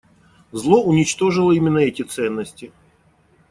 Зло уничтожило именно эти ценности.